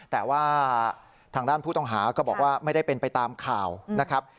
แต่ว่าทางด้านผู้ต้องหาก็บอกว่าไม่ได้เป็นไปตามข่าวนะครับ